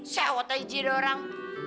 sewet aja diorang